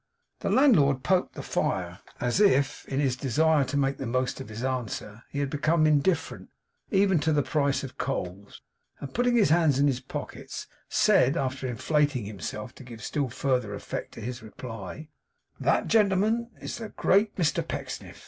The landlord poked the fire as if, in his desire to make the most of his answer, he had become indifferent even to the price of coals; and putting his hands in his pockets, said, after inflating himself to give still further effect to his reply: 'That, gentlemen, is the great Mr Pecksniff!